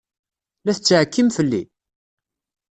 La tettɛekkim fell-i?